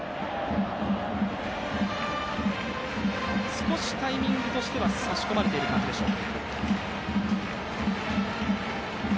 少しタイミングとしては差し込まれている感じでしょう。